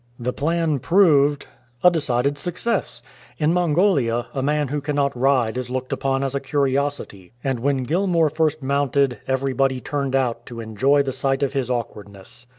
The plan proved a decided success. In Mongolia a man who cannot ride is looked upon as a curiosity, and when Gilmour first mounted everybody turned out to enjoy the sight of his awkwardness.